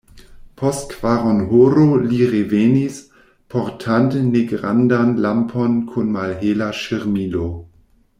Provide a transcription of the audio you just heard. Post kvaronhoro li revenis, portante negrandan lampon kun malhela ŝirmilo.